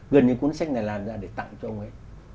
gần như cuốn sách này làm ra để tặng cho ông ấy